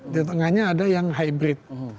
di tengahnya ada yang hybrid